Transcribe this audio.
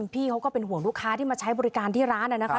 พี่เขาก็เป็นห่วงลูกค้าที่มาใช้บริการที่ร้านนะครับ